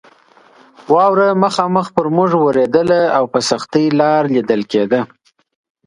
واوره مخامخ پر موږ ورېدله او په سختۍ لار لیدل کېده.